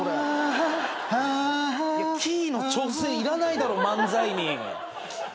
「ハハ」キーの調整いらないだろ漫才に。